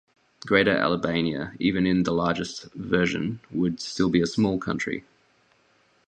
Greater Albania, even in the largest version, would still be a small country.